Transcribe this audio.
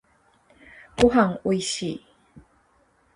ごはんおいしい。